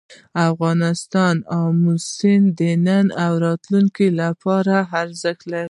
افغانستان کې آمو سیند د نن او راتلونکي لپاره ارزښت لري.